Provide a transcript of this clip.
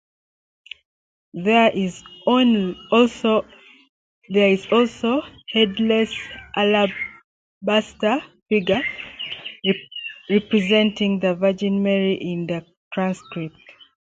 There is also a headless alabaster figure representing the Virgin Mary in the transept.